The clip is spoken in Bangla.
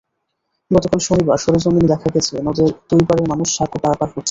গতকাল শনিবার সরেজমিনে দেখা গেছে, নদের দুই পারের মানুষ সাঁকো পারাপার হচ্ছে।